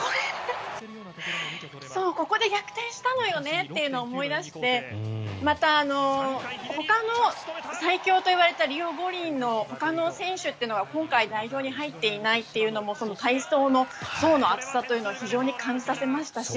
ここで逆転したのよねということを思い出してまた、ほかの最強といわれていたリオ五輪のほかの選手が今回、代表に入っていないというのも体操の層の厚さというのを非常に感じさせましたし